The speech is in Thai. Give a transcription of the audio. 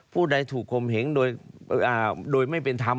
ผู้ใดถูกคมเหงโดยไม่เป็นธรรม